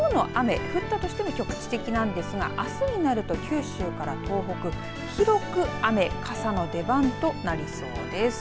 きょうの雨、雨が降ったとしても局地的なんですがあすになると九州から東北広く雨傘の出番となりそうです。